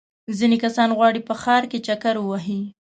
ځینې کسان غواړي په ښار کې چکر ووهي.